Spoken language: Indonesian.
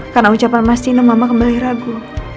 karena ucapan mas nino mama kembali ragu